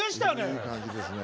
いい感じですね。